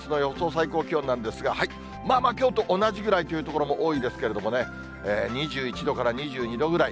最高気温なんですが、まあまあきょうと同じくらいという所も多いですけれどもね、２１度から２２度ぐらい。